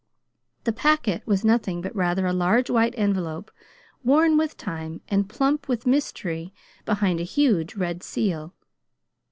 The Packet was nothing but rather a large white envelope, worn with time, and plump with mystery behind a huge red seal.